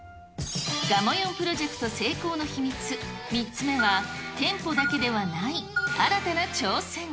がもよんプロジェクト成功の秘密、３つ目は、店舗だけではない、新たな挑戦。